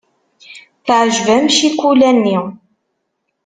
Teɛjeb-am ccikula-nni.